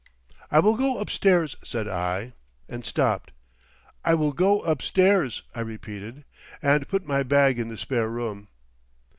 "I will go upstairs," said I, and stopped. "I will go upstairs" I repeated, "and put my bag in the spare room."